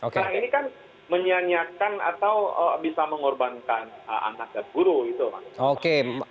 karena ini kan menyanyiakan atau bisa mengorbankan anak dan guru itu maksud saya